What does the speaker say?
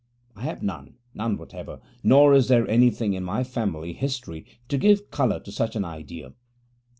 I have none none whatever, nor is there anything in my family history to give colour to such an idea.